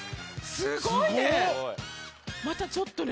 すごいね！